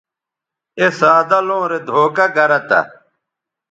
اے سادہ لوں رے دھوکہ گرہ تھہ